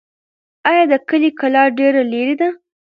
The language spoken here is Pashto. آیا د کلي کلا ډېر لرې ده؟